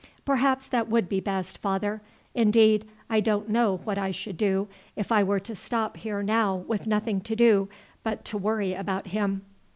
"Perhaps that would be best, father. Indeed I don't know what I should do if I were to stop here now with nothing to do but to worry about him."